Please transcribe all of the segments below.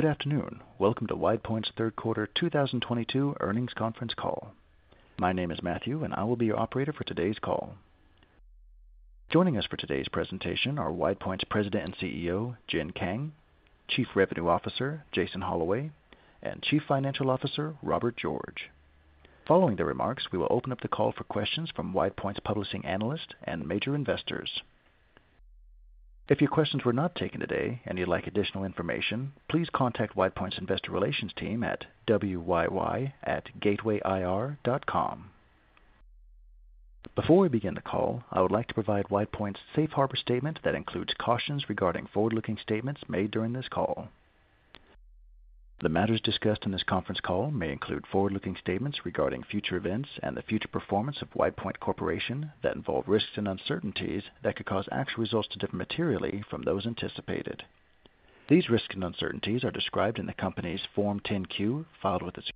Good afternoon. Welcome to WidePoint's third quarter 2022 earnings conference call. My name is Matthew, and I will be your operator for today's call. Joining us for today's presentation are WidePoint's President and CEO, Jin Kang; Chief Revenue Officer, Jason Holloway; and Chief Financial Officer, Robert George. Following the remarks, we will open up the call for questions from WidePoint's publishing analyst and major investors. If your questions were not taken today and you'd like additional information, please contact WidePoint's investor relations team at wyy@gatewayir.com. Before we begin the call, I would like to provide WidePoint's safe harbor statement that includes cautions regarding forward-looking statements made during this call. The matters discussed in this conference call may include forward-looking statements regarding future events and the future performance of WidePoint Corporation that involve risks and uncertainties that could cause actual results to differ materially from those anticipated. These risks and uncertainties are described in the company's Form 10-Q filed with the SEC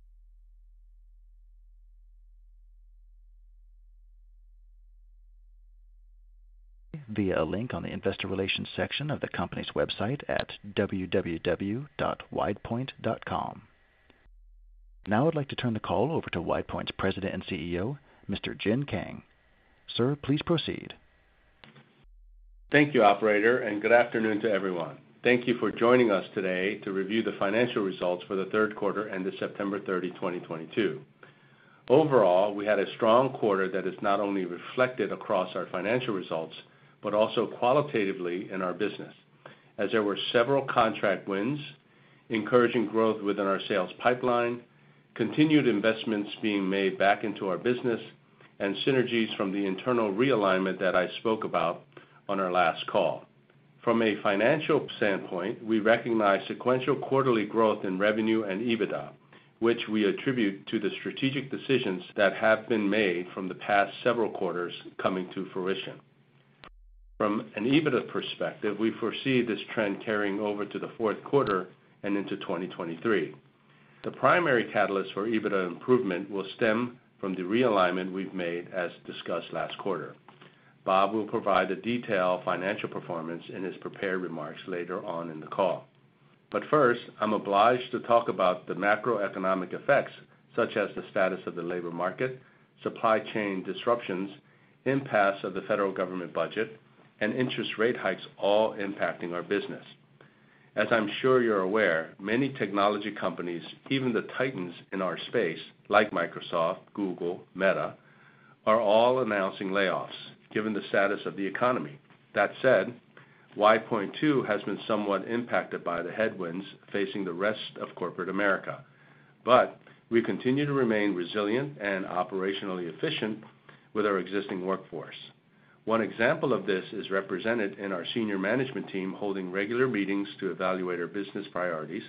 via a link on the investor relations section of the company's website at www.widepoint.com. Now I'd like to turn the call over to WidePoint's President and CEO, Mr. Jin Kang. Sir, please proceed. Thank you, operator, and good afternoon to everyone. Thank you for joining us today to review the financial results for the third quarter ended September 30, 2022. Overall, we had a strong quarter that is not only reflected across our financial results, but also qualitatively in our business, as there were several contract wins, encouraging growth within our sales pipeline, continued investments being made back into our business, and synergies from the internal realignment that I spoke about on our last call. From a financial standpoint, we recognize sequential quarterly growth in revenue and EBITDA, which we attribute to the strategic decisions that have been made from the past several quarters coming to fruition. From an EBITDA perspective, we foresee this trend carrying over to the fourth quarter and into 2023. The primary catalyst for EBITDA improvement will stem from the realignment we've made as discussed last quarter. Bob will provide the detailed financial performance in his prepared remarks later on in the call. First, I'm obliged to talk about the macroeconomic effects, such as the status of the labor market, supply chain disruptions, impasse of the federal government budget, and interest rate hikes all impacting our business. As I'm sure you're aware, many technology companies, even the titans in our space, like Microsoft, Google, Meta, are all announcing layoffs given the status of the economy. That said, WidePoint too has been somewhat impacted by the headwinds facing the rest of corporate America. We continue to remain resilient and operationally efficient with our existing workforce. One example of this is represented in our senior management team holding regular meetings to evaluate our business priorities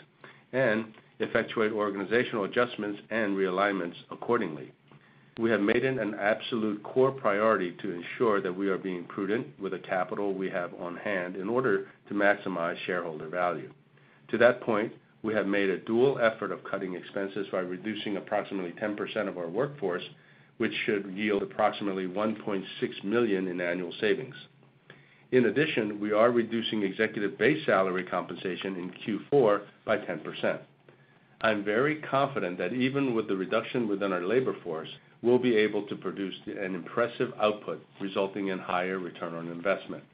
and effectuate organizational adjustments and realignments accordingly. We have made it an absolute core priority to ensure that we are being prudent with the capital we have on hand in order to maximize shareholder value. To that point, we have made a dual effort of cutting expenses by reducing approximately 10% of our workforce, which should yield approximately $1.6 million in annual savings. In addition, we are reducing executive base salary compensation in Q4 by 10%. I'm very confident that even with the reduction within our labor force, we'll be able to produce an impressive output resulting in higher return on investment.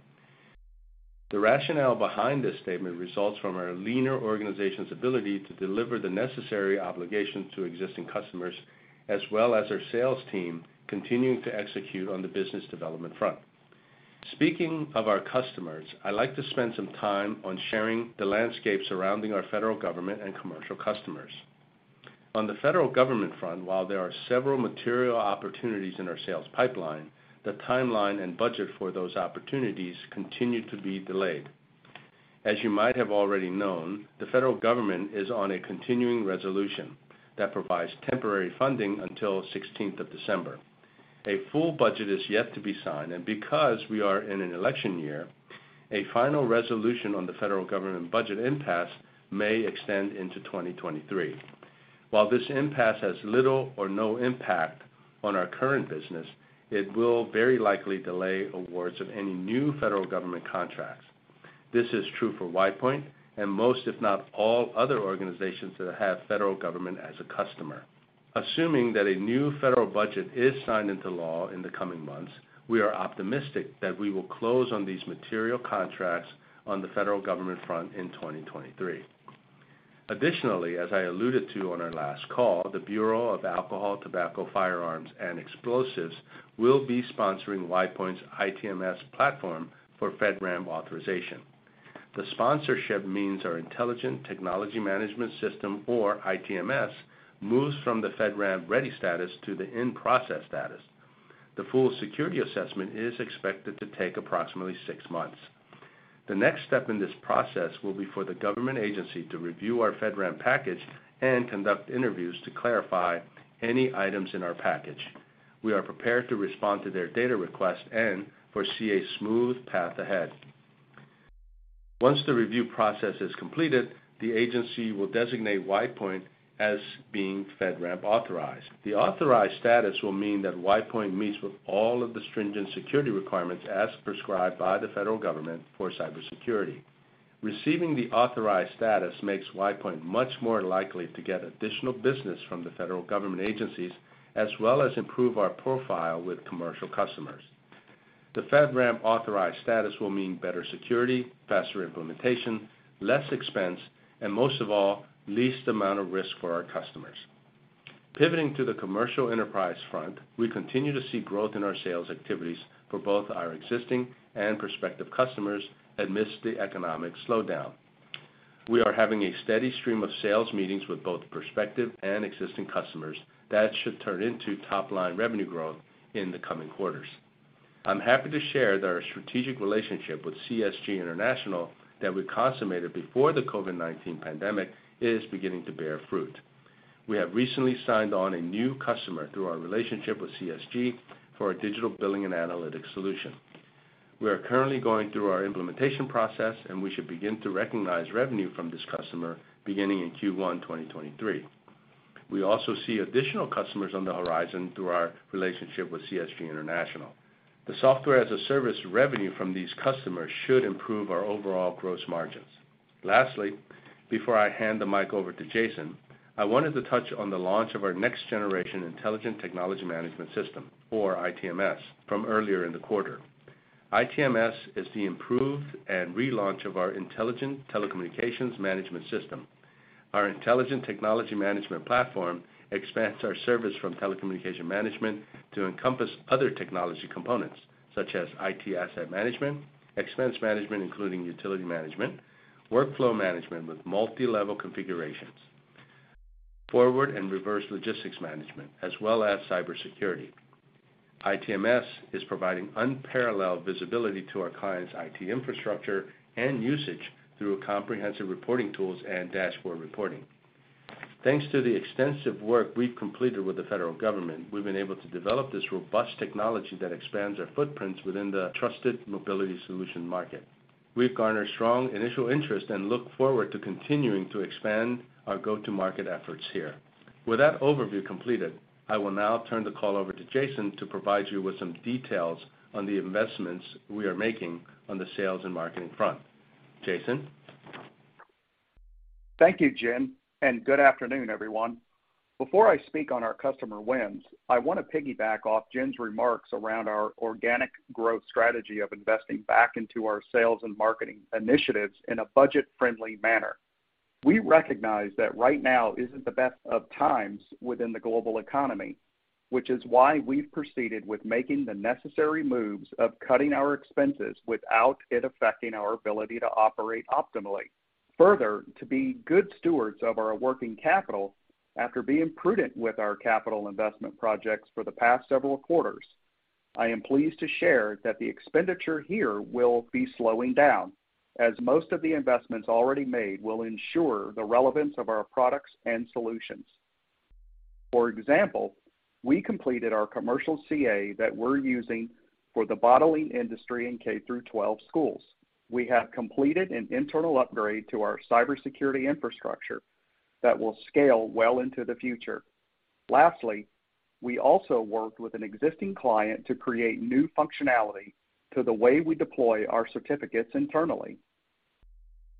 The rationale behind this statement results from our leaner organization's ability to deliver the necessary obligations to existing customers, as well as our sales team continuing to execute on the business development front. Speaking of our customers, I'd like to spend some time on sharing the landscape surrounding our federal government and commercial customers. On the federal government front, while there are several material opportunities in our sales pipeline, the timeline and budget for those opportunities continue to be delayed. As you might have already known, the federal government is on a continuing resolution that provides temporary funding until sixteenth of December. A full budget is yet to be signed, and because we are in an election year, a final resolution on the federal government budget impasse may extend into 2023. While this impasse has little or no impact on our current business, it will very likely delay awards of any new federal government contracts. This is true for WidePoint and most, if not all, other organizations that have federal government as a customer. Assuming that a new federal budget is signed into law in the coming months, we are optimistic that we will close on these material contracts on the federal government front in 2023. Additionally, as I alluded to on our last call, the Bureau of Alcohol, Tobacco, Firearms and Explosives will be sponsoring WidePoint's ITMS platform for FedRAMP authorization. The sponsorship means our Intelligent Technology Management System, or ITMS, moves from the FedRAMP ready status to the in-process status. The full security assessment is expected to take approximately six months. The next step in this process will be for the government agency to review our FedRAMP package and conduct interviews to clarify any items in our package. We are prepared to respond to their data request and foresee a smooth path ahead. Once the review process is completed, the agency will designate WidePoint as being FedRAMP authorized. The authorized status will mean that WidePoint meets with all of the stringent security requirements as prescribed by the federal government for cybersecurity. Receiving the authorized status makes WidePoint much more likely to get additional business from the federal government agencies, as well as improve our profile with commercial customers. The FedRAMP authorized status will mean better security, faster implementation, less expense, and most of all, least amount of risk for our customers. Pivoting to the commercial enterprise front, we continue to see growth in our sales activities for both our existing and prospective customers amidst the economic slowdown. We are having a steady stream of sales meetings with both prospective and existing customers that should turn into top-line revenue growth in the coming quarters. I'm happy to share that our strategic relationship with CSG Systems International that we consummated before the COVID-19 pandemic is beginning to bear fruit. We have recently signed on a new customer through our relationship with CSG for our digital billing and analytics solution. We are currently going through our implementation process, and we should begin to recognize revenue from this customer beginning in Q1 2023. We also see additional customers on the horizon through our relationship with CSG Systems International. The software-as-a-service revenue from these customers should improve our overall gross margins. Lastly, before I hand the mic over to Jason, I wanted to touch on the launch of our next-generation Intelligent Technology Management System, or ITMS, from earlier in the quarter. ITMS is the improved and relaunch of our Intelligent Telecommunications Management System. Our Intelligent Technology Management platform expands our service from telecommunications management to encompass other technology components, such as IT asset management, expense management, including utility management, workflow management with multilevel configurations, forward and reverse logistics management, as well as cybersecurity. ITMS is providing unparalleled visibility to our clients' IT infrastructure and usage through comprehensive reporting tools and dashboard reporting. Thanks to the extensive work we've completed with the federal government, we've been able to develop this robust technology that expands our footprints within the trusted mobility solution market. We've garnered strong initial interest and look forward to continuing to expand our go-to-market efforts here. With that overview completed, I will now turn the call over to Jason to provide you with some details on the investments we are making on the sales and marketing front. Jason? Thank you, Jin, and good afternoon, everyone. Before I speak on our customer wins, I wanna piggyback off Jin's remarks around our organic growth strategy of investing back into our sales and marketing initiatives in a budget-friendly manner. We recognize that right now isn't the best of times within the global economy, which is why we've proceeded with making the necessary moves of cutting our expenses without it affecting our ability to operate optimally. Further, to be good stewards of our working capital, after being prudent with our capital investment projects for the past several quarters, I am pleased to share that the expenditure here will be slowing down, as most of the investments already made will ensure the relevance of our products and solutions. For example, we completed our commercial CA that we're using for the bottling industry in K through twelve schools. We have completed an internal upgrade to our cybersecurity infrastructure that will scale well into the future. Lastly, we also worked with an existing client to create new functionality to the way we deploy our certificates internally.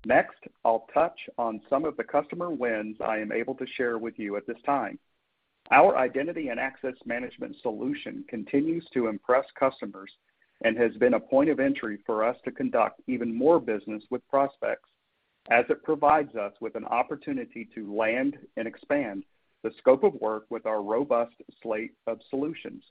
Next, I'll touch on some of the customer wins I am able to share with you at this time. Our Identity & Access Management solution continues to impress customers and has been a point of entry for us to conduct even more business with prospects, as it provides us with an opportunity to land and expand the scope of work with our robust slate of solutions.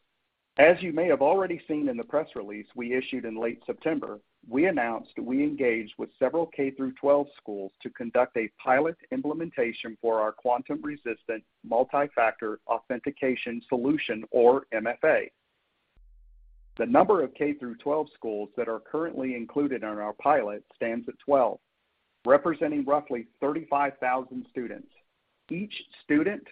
As you may have already seen in the press release we issued in late September, we announced we engaged with several K-through-12 schools to conduct a pilot implementation for our quantum-resistant multifactor authentication solution or MFA. The number of K through 12 schools that are currently included in our pilot stands at 12, representing roughly 35,000 students. Each student,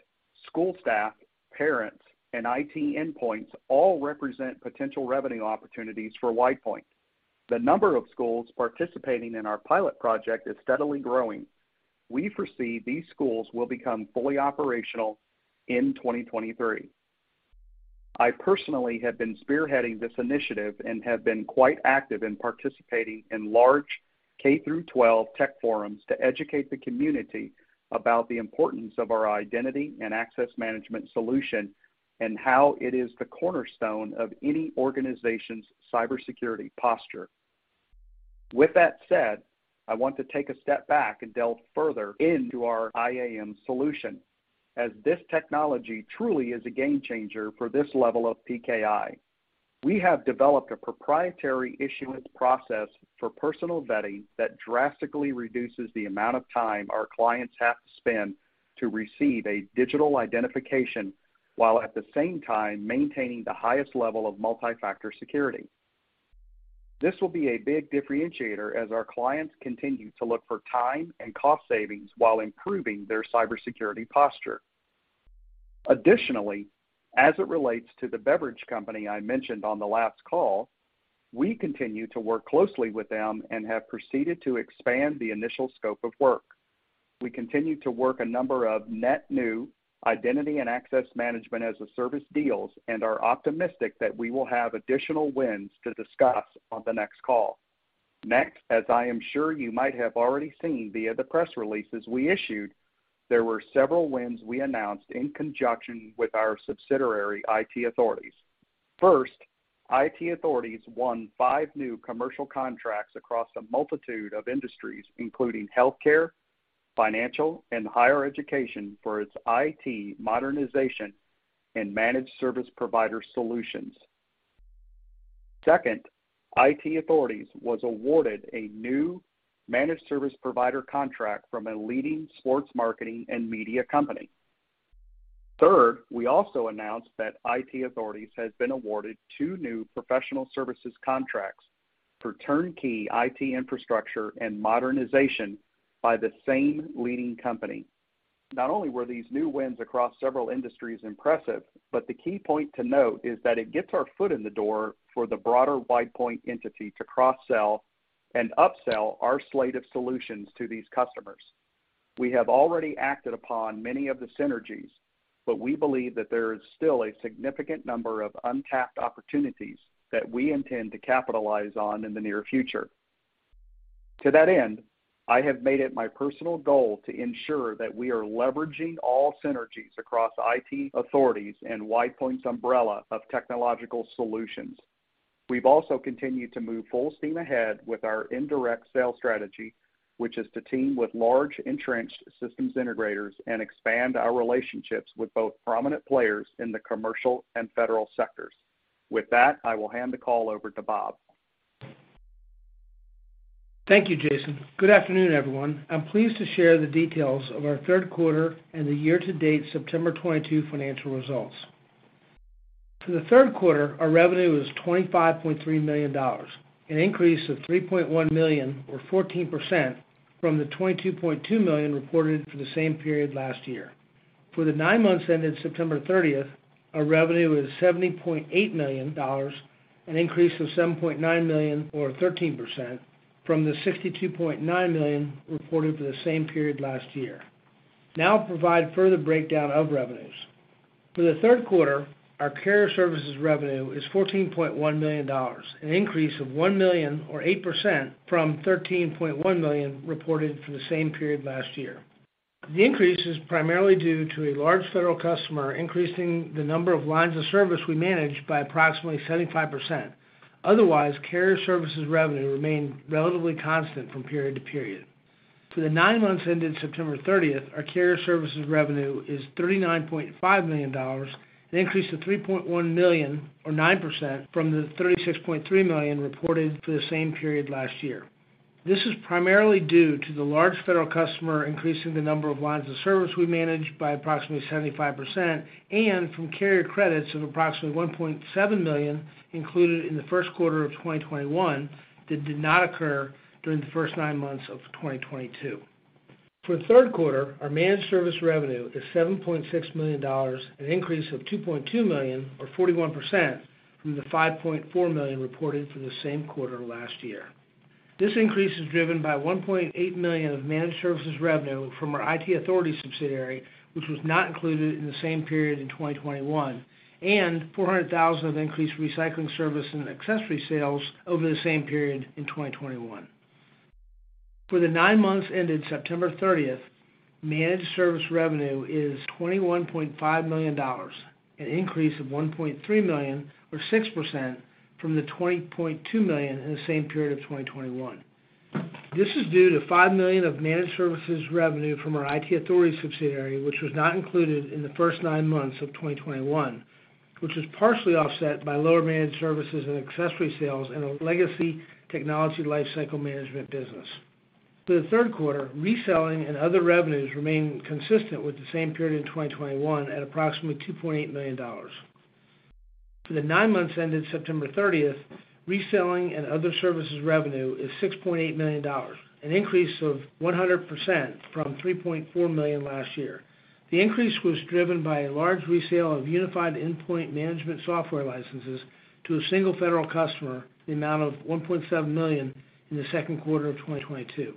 school staff, parents, and IT endpoints all represent potential revenue opportunities for WidePoint. The number of schools participating in our pilot project is steadily growing. We foresee these schools will become fully operational in 2023. I personally have been spearheading this initiative and have been quite active in participating in large K through 12 tech forums to educate the community about the importance of our identity and access management solution and how it is the cornerstone of any organization's cybersecurity posture. With that said, I want to take a step back and delve further into our IAM solution, as this technology truly is a game-changer for this level of PKI. We have developed a proprietary issuance process for personal vetting that drastically reduces the amount of time our clients have to spend to receive a digital identification, while at the same time maintaining the highest level of multifactor security. This will be a big differentiator as our clients continue to look for time and cost savings while improving their cybersecurity posture. Additionally, as it relates to the beverage company I mentioned on the last call, we continue to work closely with them and have proceeded to expand the initial scope of work. We continue to work a number of net new Identity & Access Management as a Service deals and are optimistic that we will have additional wins to discuss on the next call. Next, as I am sure you might have already seen via the press releases we issued, there were several wins we announced in conjunction with our subsidiary, IT Authorities. First, IT Authorities won five new commercial contracts across a multitude of industries, including healthcare, financial, and higher education for its IT modernization and managed service provider solutions. Second, IT Authorities was awarded a new managed service provider contract from a leading sports marketing and media company. Third, we also announced that IT Authorities has been awarded two new professional services contracts for turnkey IT infrastructure and modernization by the same leading company. Not only were these new wins across several industries impressive, but the key point to note is that it gets our foot in the door for the broader WidePoint entity to cross-sell and upsell our slate of solutions to these customers. We have already acted upon many of the synergies, but we believe that there is still a significant number of untapped opportunities that we intend to capitalize on in the near future. To that end, I have made it my personal goal to ensure that we are leveraging all synergies across IT Authorities and WidePoint's umbrella of technological solutions. We've also continued to move full steam ahead with our indirect sales strategy, which is to team with large entrenched systems integrators and expand our relationships with both prominent players in the commercial and federal sectors. With that, I will hand the call over to Bob. Thank you, Jason. Good afternoon, everyone. I'm pleased to share the details of our third quarter and the year-to-date September 2022 financial results. For the third quarter, our revenue was $25.3 million, an increase of $3.1 million or 14% from the $22.2 million reported for the same period last year. For the nine months ended September 30, our revenue was $70.8 million, an increase of $7.9 million or 13% from the $62.9 million reported for the same period last year. Now I'll provide further breakdown of revenues. For the third quarter, our carrier services revenue is $14.1 million, an increase of $1 million or 8% from $13.1 million reported for the same period last year. The increase is primarily due to a large federal customer increasing the number of lines of service we manage by approximately 75%. Otherwise, carrier services revenue remained relatively constant from period to period. For the nine months ended September 30, our carrier services revenue is $39.5 million, an increase of $3.1 million or 9% from the $36.3 million reported for the same period last year. This is primarily due to the large federal customer increasing the number of lines of service we manage by approximately 75% and from carrier credits of approximately $1.7 million included in the first quarter of 2021 that did not occur during the first nine months of 2022. For the third quarter, our managed service revenue is $7.6 million, an increase of $2.2 million or 41% from the $5.4 million reported for the same quarter last year. This increase is driven by $1.8 million of managed services revenue from our IT Authorities subsidiary, which was not included in the same period in 2021, and $400,000 of increased recycling service and accessory sales over the same period in 2021. For the nine months ended September 30th, managed service revenue is $21.5 million, an increase of $1.3 million or 6% from the $20.2 million in the same period of 2021. This is due to $5 million of managed services revenue from our IT Authorities subsidiary, which was not included in the first nine months of 2021, which was partially offset by lower managed services and accessory sales in a legacy technology lifecycle management business. For the third quarter, reselling and other revenues remain consistent with the same period in 2021 at approximately $2.8 million. For the nine months ended September 30th, reselling and other services revenue is $6.8 million, an increase of 100% from $3.4 million last year. The increase was driven by a large resale of Unified Endpoint Management software licenses to a single federal customer in the amount of $1.7 million in the second quarter of 2022.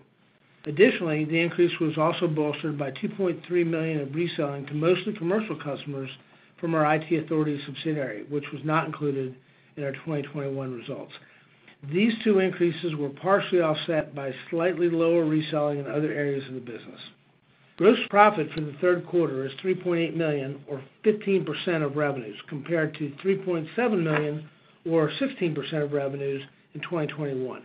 Additionally, the increase was also bolstered by $2.3 million of reselling to mostly commercial customers from our IT Authorities subsidiary, which was not included in our 2021 results. These two increases were partially offset by slightly lower reselling in other areas of the business. Gross profit for the third quarter is $3.8 million or 15% of revenues, compared to $3.7 million or 16% of revenues in 2021.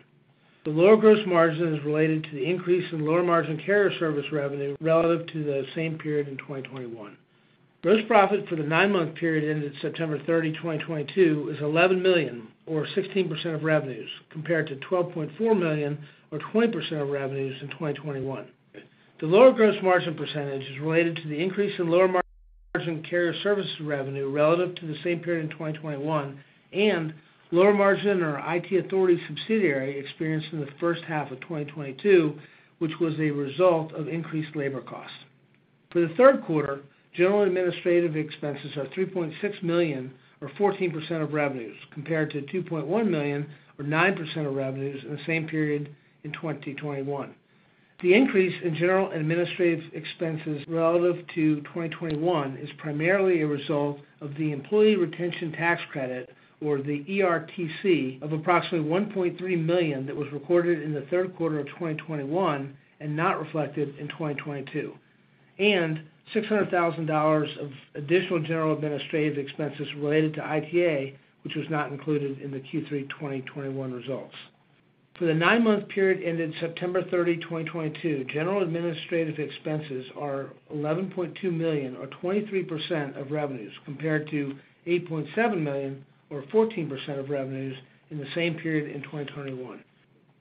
The lower gross margin is related to the increase in lower-margin carrier service revenue relative to the same period in 2021. Gross profit for the nine-month period ended September 30, 2022 is $11 million or 16% of revenues, compared to $12.4 million or 20% of revenues in 2021. The lower gross margin percentage is related to the increase in lower-margin carrier services revenue relative to the same period in 2021 and lower margin in our IT Authorities subsidiary experienced in the first half of 2022, which was a result of increased labor costs. For the third quarter, general and administrative expenses are $3.6 million, or 14% of revenues, compared to $2.1 million, or 9% of revenues in the same period in 2021. The increase in general and administrative expenses relative to 2021 is primarily a result of the employee retention tax credit, or the ERTC, of approximately $1.3 million that was recorded in the third quarter of 2021 and not reflected in 2022, and $600,000 of additional general and administrative expenses related to ITA, which was not included in the Q3 2021 results. For the nine-month period ending September 30, 2022, general administrative expenses are $11.2 million, or 23% of revenues, compared to $8.7 million, or 14% of revenues in the same period in 2021.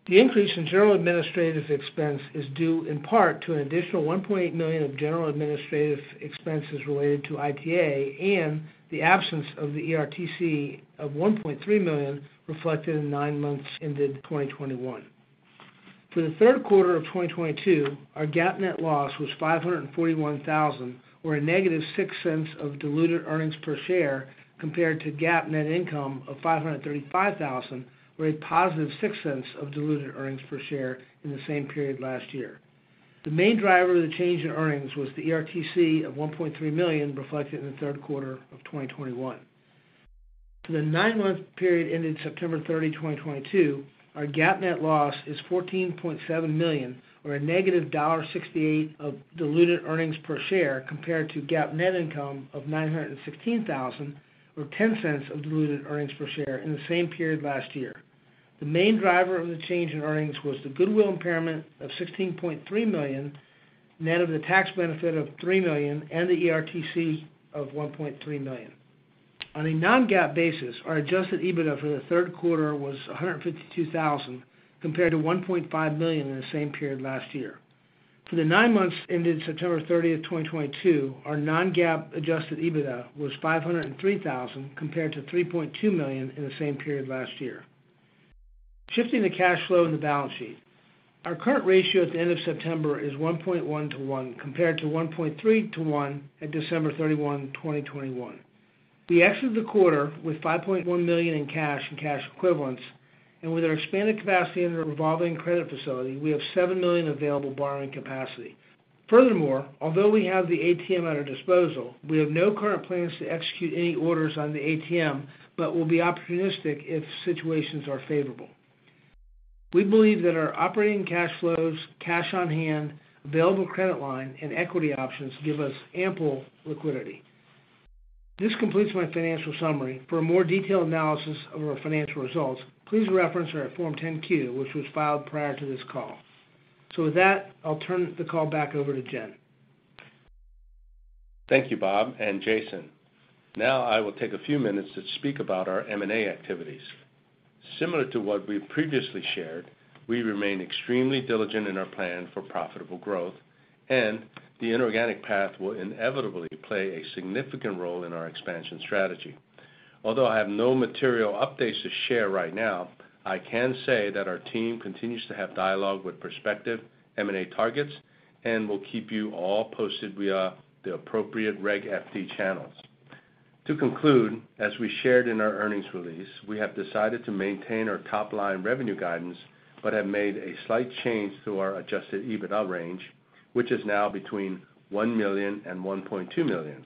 The increase in general administrative expense is due in part to an additional $1.8 million of general administrative expenses related to ITA and the absence of the ERTC of $1.3 million reflected in nine months ended 2021. For the third quarter of 2022, our GAAP net loss was $541,000, or -$0.06 diluted earnings per share, compared to GAAP net income of $535,000, or $0.06 diluted earnings per share in the same period last year. The main driver of the change in earnings was the ERTC of $1.3 million reflected in the third quarter of 2021. For the nine-month period ending September 30, 2022, our GAAP net loss is $14.7 million, or a negative $0.68 of diluted earnings per share, compared to GAAP net income of $916,000, or $0.10 of diluted earnings per share in the same period last year. The main driver of the change in earnings was the goodwill impairment of $16.3 million, net of the tax benefit of $3 million and the ERTC of $1.3 million. On a non-GAAP basis, our adjusted EBITDA for the third quarter was $152,000, compared to $1.5 million in the same period last year. For the nine months ending September 30, 2022, our non-GAAP adjusted EBITDA was $503 thousand, compared to $3.2 million in the same period last year. Shifting to cash flow and the balance sheet. Our current ratio at the end of September is 1.1 to 1, compared to 1.3 to 1 at December 31, 2021. We exited the quarter with $5.1 million in cash and cash equivalents, and with our expanded capacity under revolving credit facility, we have $7 million available borrowing capacity. Furthermore, although we have the ATM at our disposal, we have no current plans to execute any orders on the ATM, but we'll be opportunistic if situations are favorable. We believe that our operating cash flows, cash on hand, available credit line, and equity options give us ample liquidity. This completes my financial summary. For a more detailed analysis of our financial results, please reference our Form 10-Q, which was filed prior to this call. With that, I'll turn the call back over to Jin Kang. Thank you, Bob and Jason. Now I will take a few minutes to speak about our M&A activities. Similar to what we've previously shared, we remain extremely diligent in our plan for profitable growth, and the inorganic path will inevitably play a significant role in our expansion strategy. Although I have no material updates to share right now, I can say that our team continues to have dialogue with prospective M&A targets and will keep you all posted via the appropriate Reg FD channels. To conclude, as we shared in our earnings release, we have decided to maintain our top-line revenue guidance but have made a slight change to our adjusted EBITDA range, which is now between $1 million and $1.2 million.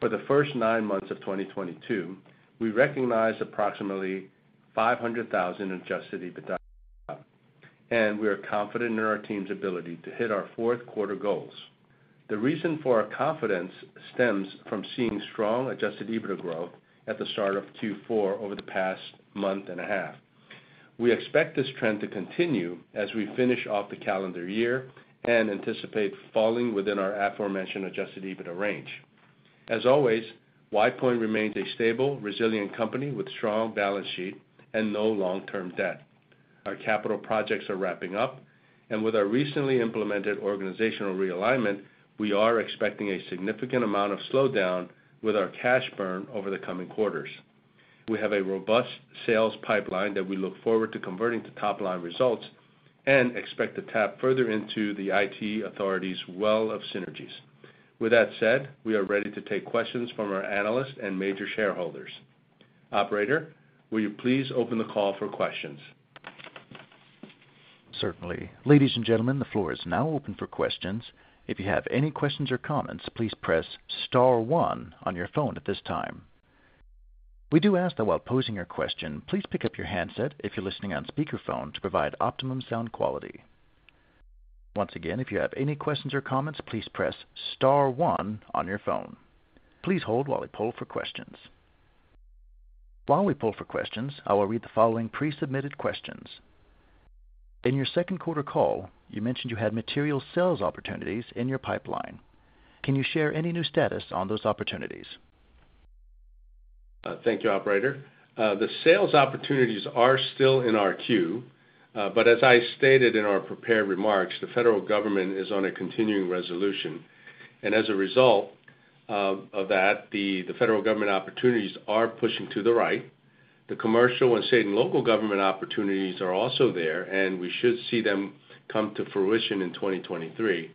For the first 9 months of 2022, we recognized approximately $500,000 in adjusted EBITDA, and we are confident in our team's ability to hit our fourth quarter goals. The reason for our confidence stems from seeing strong adjusted EBITDA growth at the start of Q4 over the past month and a half. We expect this trend to continue as we finish off the calendar year and anticipate falling within our aforementioned adjusted EBITDA range. As always, WidePoint remains a stable, resilient company with strong balance sheet and no long-term debt. Our capital projects are wrapping up, and with our recently implemented organizational realignment, we are expecting a significant amount of slowdown with our cash burn over the coming quarters. We have a robust sales pipeline that we look forward to converting to top-line results and expect to tap further into the IT Authorities wealth of synergies. With that said, we are ready to take questions from our analysts and major shareholders. Operator, will you please open the call for questions? Certainly. Ladies and gentlemen, the floor is now open for questions. If you have any questions or comments, please press *1 on your phone at this time. We do ask that while posing your question, please pick up your handset if you're listening on speakerphone to provide optimum sound quality. Once again, if you have any questions or comments, please press *1 on your phone. Please hold while we poll for questions. While we poll for questions, I will read the following pre-submitted questions. In your second quarter call, you mentioned you had material sales opportunities in your pipeline. Can you share any new status on those opportunities? Thank you, operator. The sales opportunities are still in our queue, but as I stated in our prepared remarks, the federal government is on a continuing resolution. As a result, of that, the federal government opportunities are pushing to the right. The commercial and state and local government opportunities are also there, and we should see them come to fruition in 2023.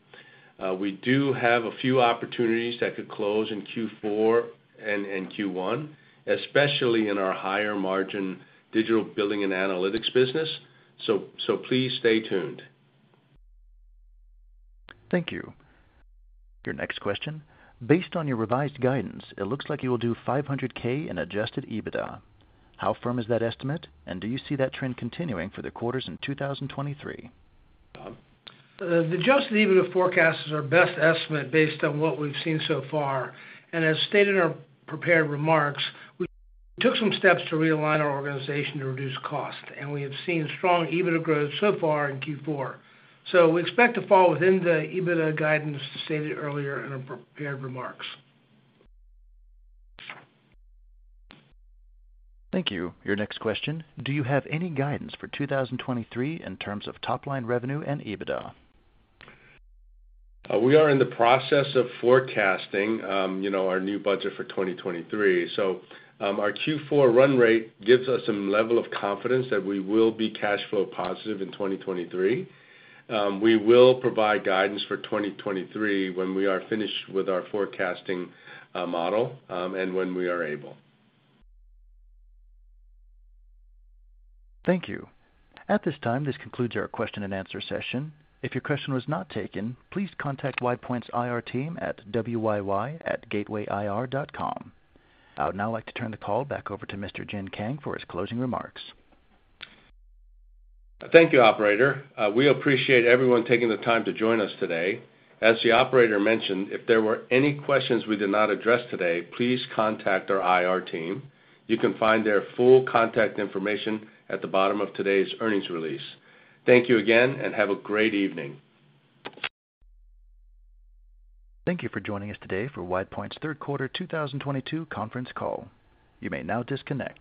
We do have a few opportunities that could close in Q4 and Q1, especially in our higher margin digital billing and analytics business. Please stay tuned. Thank you. Your next question: based on your revised guidance, it looks like you will do $500K in adjusted EBITDA. How firm is that estimate, and do you see that trend continuing for the quarters in 2023? Bob? The adjusted EBITDA forecast is our best estimate based on what we've seen so far. As stated in our prepared remarks, we took some steps to realign our organization to reduce cost, and we have seen strong EBITDA growth so far in Q4. We expect to fall within the EBITDA guidance stated earlier in our prepared remarks. Thank you. Your next question: Do you have any guidance for 2023 in terms of top line revenue and EBITDA? We are in the process of forecasting, you know, our new budget for 2023. Our Q4 run rate gives us some level of confidence that we will be cash flow positive in 2023. We will provide guidance for 2023 when we are finished with our forecasting model, and when we are able. Thank you. At this time, this concludes our question and answer session. If your question was not taken, please contact WidePoint's IR team at wyy@gatewayir.com. I would now like to turn the call back over to Mr. Jin Kang for his closing remarks. Thank you, operator. We appreciate everyone taking the time to join us today. As the operator mentioned, if there were any questions we did not address today, please contact our IR team. You can find their full contact information at the bottom of today's earnings release. Thank you again, and have a great evening. Thank you for joining us today for WidePoint's third quarter 2022 conference call. You may now disconnect.